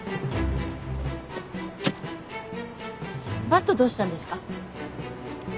バットどうしたんですか？